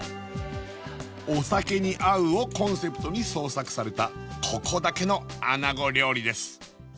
お酒に合うをコンセプトに創作されたここだけのあなご料理です